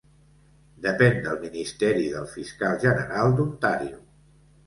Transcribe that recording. Depèn del Ministeri del Fiscal General d'Ontario.